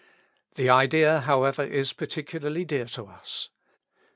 The idea, however, is particularly dear to us.